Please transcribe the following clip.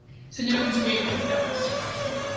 Señora conselleira, grazas.